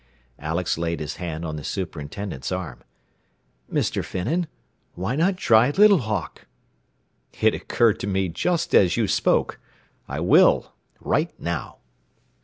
Alex laid his hand on the superintendent's arm. "Mr. Finnan, why not try Little Hawk?" "It occurred to me just as you spoke. I will. Right now.